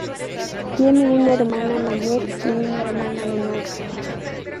Tiene una hermana mayor y una hermana menor.